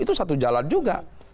itu satu jalan juga